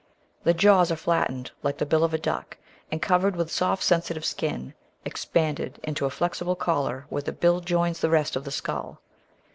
The jaws are flattened like the bill of a duck and covered with soft sensitive skin, expanded into a flexible collar where the bill joins the rest of the skull.